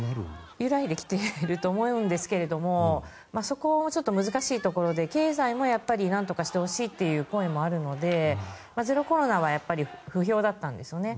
揺らいできていると思うんですがそこもちょっと難しいところで経済もなんとかしてほしいという声もあるのでゼロコロナは不評だったんですよね。